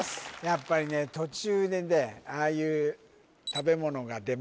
やっぱりね途中でねああいう